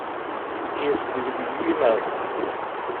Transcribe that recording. Yesdegdeg gma-s.